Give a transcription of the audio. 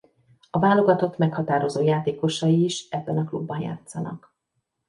A válogatott meghatározó játékosai is ebben a klubban játszanak.